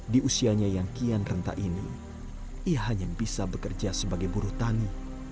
di usianya yang kian rentah ini ia hanya bisa bekerja sebagai buruh tani